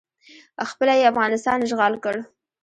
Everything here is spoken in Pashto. خپله یې افغانستان اشغال کړ